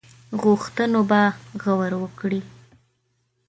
غوښتنو به غور وکړي.